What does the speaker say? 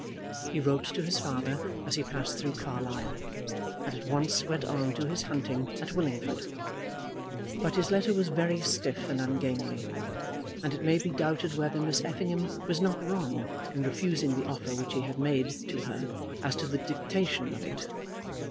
He wrote to his father as he passed through Carlisle, and at once went on to his hunting at Willingford. But his letter was very stiff and ungainly, and it may be doubted whether Miss Effingham was not wrong in refusing the offer which he had made to her as to the dictation of it.